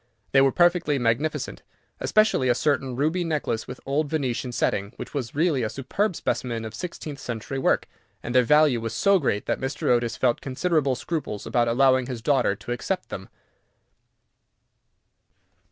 They were perfectly magnificent, especially a certain ruby necklace with old Venetian setting, which was really a superb specimen of sixteenth century work, and their value was so great that Mr. Otis felt considerable scruples about allowing his daughter to accept them.